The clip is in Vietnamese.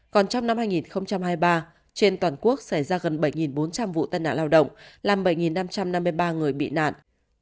còn trong năm hai nghìn hai mươi ba trên toàn quốc xảy ra gần bảy bốn trăm linh vụ tai nạn lao động làm bảy năm trăm năm mươi ba người bị nạn